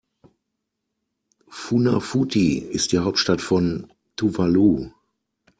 Funafuti ist die Hauptstadt von Tuvalu.